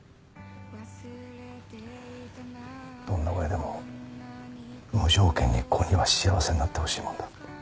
どんな親でも無条件に子には幸せになってほしいものだ。